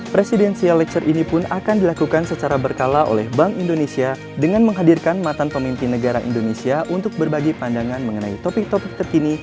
presidensial leture ini pun akan dilakukan secara berkala oleh bank indonesia dengan menghadirkan mantan pemimpin negara indonesia untuk berbagi pandangan mengenai topik topik terkini